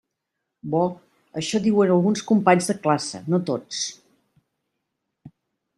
Bo, això diuen alguns companys de classe, no tots.